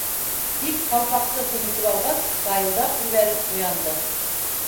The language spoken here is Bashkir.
Тик Ҡалпаҡсы семетеп алғас, сайылдап ебәреп, уянды.